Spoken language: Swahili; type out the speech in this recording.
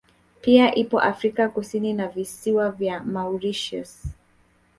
Pia ipo Afrika Kusni na visiwa vya Mauritius